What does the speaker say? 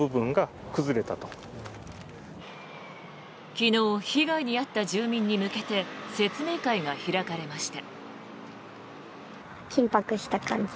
昨日被害に遭った住民に向けて説明会が開かれました。